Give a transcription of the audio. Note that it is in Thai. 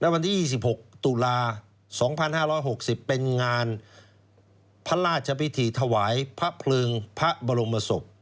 วันที่๒๖ตุลา๒๕๖๐เป็นงานพระราชพิธีถวายพระเพลิงพระบรมศพ